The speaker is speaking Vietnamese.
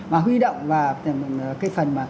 mà huy động vào cái phần